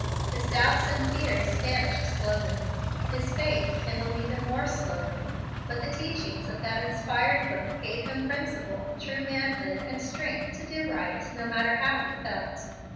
His doubts and fears vanished slowly. His faith kindled even more slowly; but the teachings of that inspired Book gave him principle, true manhood, and strength to do right, no matter how he felt.